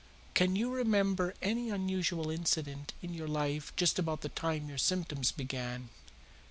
Can you remember any unusual incident in your life just about the time your symptoms began?"